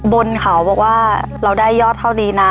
บนเขาบอกว่าเราได้ยอดเท่านี้นะ